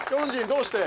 どうして？